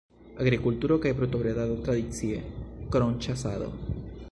Agrikulturo kaj brutobredado tradicie, krom ĉasado.